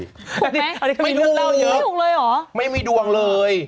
ถูกไหมไม่รู้เยอะไม่เหมือนเราเตี่ยวโหลเลยหรอไม่มีดวงเลย